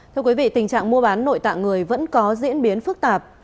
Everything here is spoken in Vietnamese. thưa quý vị tình trạng mua bán nội tạng người vẫn có diễn biến phức tạp